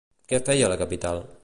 Què feia a la capital?